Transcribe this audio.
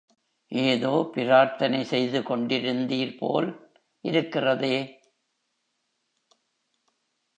ஏதோ பிரார்த்தனை செய்து கொண்டிருந்தீர் போல் இருக்கிறதே!